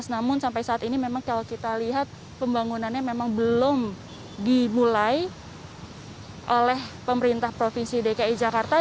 namun sampai saat ini memang kalau kita lihat pembangunannya memang belum dimulai oleh pemerintah provinsi dki jakarta